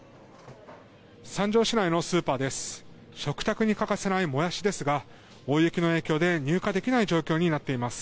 三条市内のスーパーです。